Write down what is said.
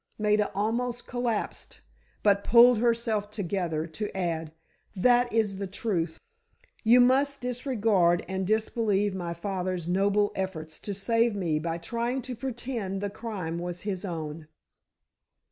Maida almost collapsed, but pulled herself together, to add: "That is the truth. You must disregard and disbelieve my father's noble efforts to save me by trying to pretend the crime was his own."